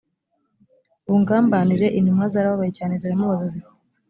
bungambanire intumwa zarababaye cyane ziramubaza ziti